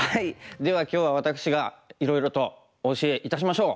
では今日は私がいろいろとお教えいたしましょう。